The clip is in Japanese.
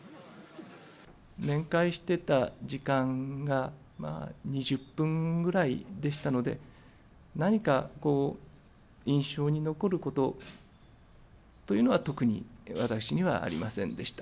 面会してた時間が２０分ぐらいでしたので、何か印象に残ることというのは、特に私にはありませんでした。